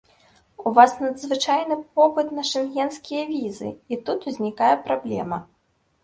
У вас надзвычайны попыт на шэнгенскія візы, і тут узнікае праблема.